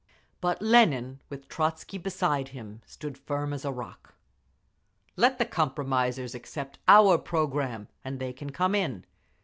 But Lenin, with Trotzky beside him, stood firm as a rock. "Let the compromisers accept our programme and they can come in!